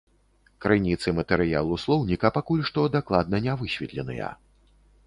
Крыніцы матэрыялу слоўніка пакуль што дакладна не высветленыя.